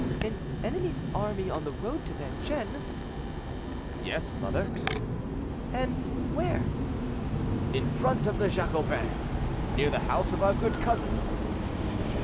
"An enemy's army on the road to Vincennes?" "Yes, mother." "And where?" "In front of the Jacobins, near the house of our good cousin."